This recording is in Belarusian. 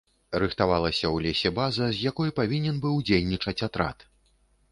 Рыхтавалася ў лесе база, з якой павінен быў дзейнічаць атрад.